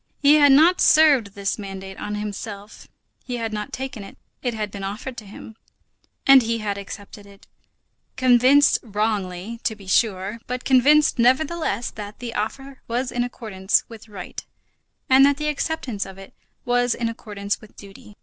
He had not served this mandate on himself; he had not taken it; it had been offered to him, and he had accepted it; convinced, wrongly, to be sure, but convinced nevertheless, that the offer was in accordance with right and that the acceptance of it was in accordance with duty.